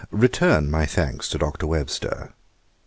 'Return my thanks to Dr. Webster.